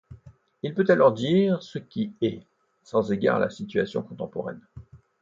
Il peut alors dire ce qui est, sans égard à la situation contemporaine.